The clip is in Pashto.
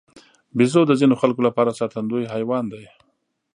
بیزو د ځینو خلکو لپاره ساتندوی حیوان دی.